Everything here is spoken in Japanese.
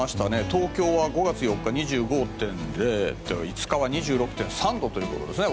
東京は５月４日、２５．０度５日は２６．３度ということですね。